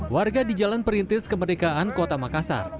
warga di jalan perintis kemerdekaan kota makassar